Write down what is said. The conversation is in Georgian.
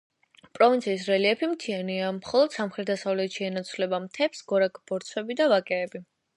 პროვინციის რელიეფი მთიანია, მხოლოდ სამხრეთ-დასავლეთში ენაცვლება მთებს გორაკ-ბორცვები და ვაკეები.